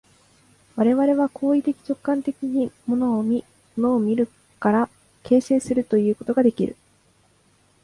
我々は行為的直観的に物を見、物を見るから形成するということができる。